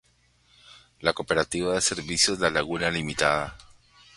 La cooperativa de servicios La Laguna Ltda.